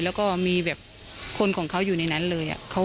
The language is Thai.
แล้วก็มีแบบคนของเขาอยู่ในนั้นเลย